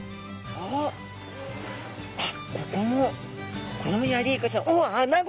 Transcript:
おっあっここもこれもヤリイカちゃん。